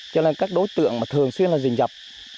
cho nên các đối tượng mà thường xuyên là dình dập